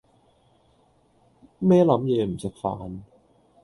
咩諗野唔食飯